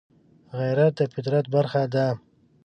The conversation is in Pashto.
غیرت د فطرت برخه ده